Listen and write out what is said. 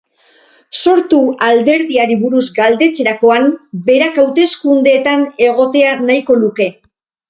Sortu alderdiari buruz galdetzerakoan, berak haustekundeetan egotea nahiko luke.